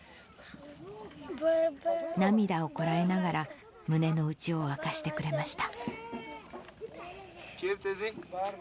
涙をこらえながら、胸の内を明かしてくれました。